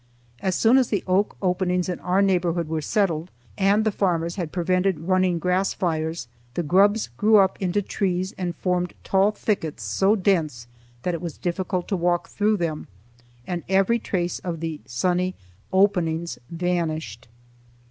As soon as the oak openings in our neighborhood were settled, and the farmers had prevented running grass fires, the grubs grew up into trees and formed tall thickets so dense that it was difficult to walk through them and every trace of the sunny "openings" vanished.